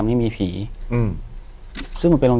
อยู่ที่แม่ศรีวิรัยิลครับ